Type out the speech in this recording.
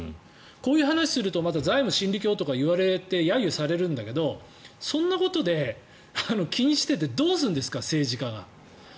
こういう話をすると財務真理教とか言われて揶揄されるんだけどそんなことで気にしててどうするんですか政治家が。